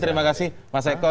terima kasih mas eko